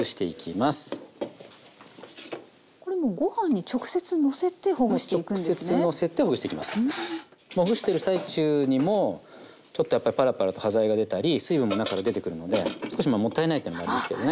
まあほぐしてる最中にもちょっとやっぱりパラパラと端材が出たり水分も中から出てくるので少しもったいないってのもあるんですけどね。